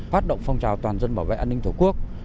hoạt động phong trào toàn dân bảo vệ an ninh thủ quốc